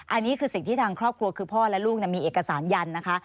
อันนี้คือสิ่งที่ทางครอบครัวคือพ่อและลูกมีเอกสารยันนะคะ